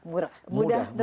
mudah mudah mudah